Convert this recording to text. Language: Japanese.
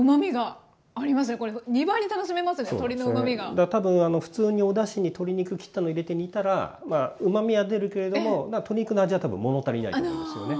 だから多分普通におだしに鶏肉切ったの入れて煮たらうまみは出るけれども鶏肉の味は多分物足りないと思うんですよね。